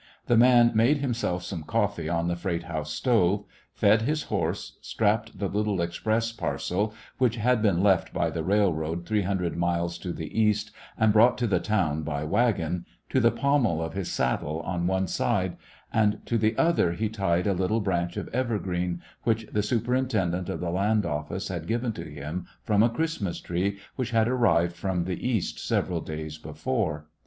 The man made himself some coffee on the freight house stove, fed his horse, strapped the little express par cel, which had been left by the rail road three hundred miles to the east and brought to the town by wagon, to the pommel of his saddle on one The West Was Young side and to the other he tied a little branch of evergreen which the Super intendent of the Land Office had given to him from a Christmas tree which had arrived from the East sev eral days before.